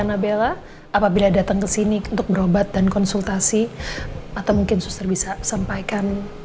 nabella apabila datang ke sini untuk berobat dan konsultasi atau mungkin suster bisa sampaikan